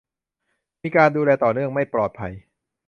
- มีการดูแลต่อเนื่องปลอดภัย